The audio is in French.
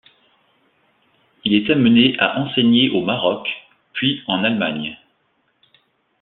Il est amené à enseigner au Maroc, puis en Allemagne.